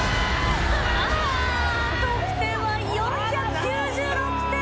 あ得点は４９６点。